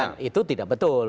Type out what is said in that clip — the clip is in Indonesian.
dan itu tidak betul